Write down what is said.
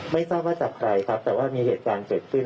ไม่ทราบว่าจากใครครับแต่ว่ามีเหตุการณ์เกิดขึ้น